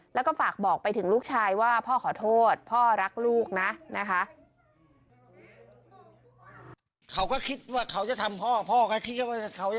แล้วก็ฝากบอกไปถึงลูกชายว่าพ่อขอโทษพ่อรักลูกนะนะคะ